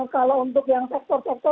kalau untuk yang sektor sektor